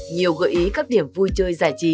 nhiều gợi ý các điểm vui chơi giải trí